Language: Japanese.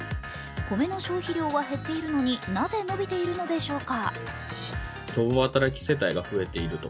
米の消費量は減っているのになぜ伸びているのでしょうか。